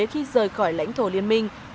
khi rời khỏi lãnh thổ liên minh